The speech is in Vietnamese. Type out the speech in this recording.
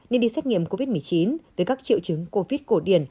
nên đi xét nghiệm covid một mươi chín với các triệu chứng covid cổ điển